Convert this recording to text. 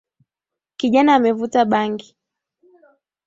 Kijana amevuta bangi